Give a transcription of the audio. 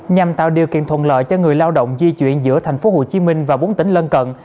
nhằm tạo điều kiện thuận lợi cho người lao động di chuyển giữa thành phố hồ chí minh và bốn tỉnh lân cận